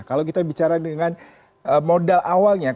kalau kita bicara dengan modal awalnya